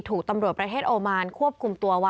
ถูกตำรวจประเทศโอมานควบคุมตัวไว้